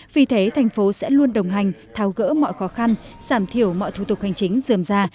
vì thế thành phố sẽ luôn đồng hành thao gỡ mọi khó khăn giảm thiểu mọi thủ tục hành chính dườm ra